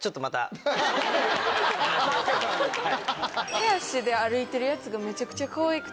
手足で歩いてるやつがめちゃくちゃかわいくて。